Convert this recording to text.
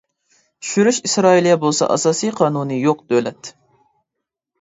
چۈشۈرۈش ئىسرائىلىيە بولسا ئاساسىي قانۇنى يوق دۆلەت.